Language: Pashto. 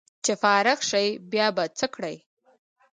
چې فارغ شې بیا به څه کړې